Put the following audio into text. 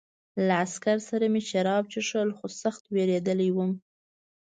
له عسکر سره مې شراب څښل خو سخت وېرېدلی وم